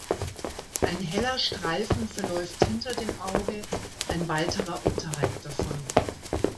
Ein heller Streifen verläuft hinter dem Auge, ein weiterer unterhalb davon.